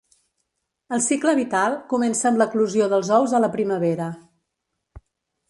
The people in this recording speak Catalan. El cicle vital comença amb l'eclosió dels ous a la primavera.